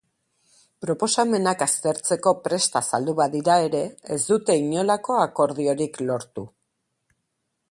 Proposamenak aztertzeko prest azaldu badira ere, ez dute inolako akordiorik lortu.